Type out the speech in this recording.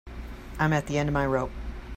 I'm at the end of my rope.